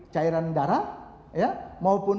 cairan darah ya maupun